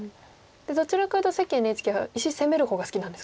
どちらかというと関ＮＨＫ杯は石攻める方が好きなんですか？